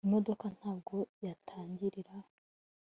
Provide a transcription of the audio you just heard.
imodoka ntabwo yatangira